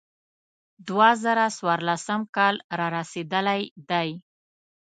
دوه زره څوارلسم کال را رسېدلی دی.